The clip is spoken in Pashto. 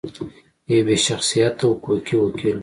یو بې شخصیته حقوقي وکیل و.